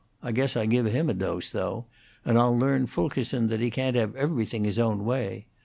I guess I give him a dose, though; and I'll learn Fulkerson that he can't have everything his own way.